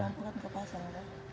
bisa nyelamkan ulang buat berapa saja